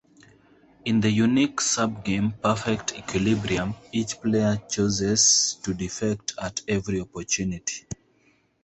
In the unique subgame perfect equilibrium, each player chooses to defect at every opportunity.